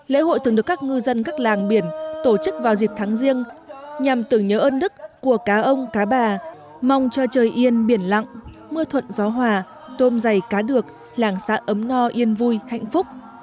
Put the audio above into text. lễ hội từng được các ngư dân các làng biển tổ chức vào dịp tháng riêng nhằm tưởng nhớ ơn đức của cá ông cá bà mong cho trời yên biển lặng mưa thuận gió hòa tôm dày cá được làng xã ấm no yên vui hạnh phúc